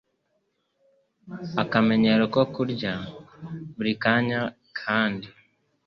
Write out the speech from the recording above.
Akamenyero ko kurya buri kanya kandi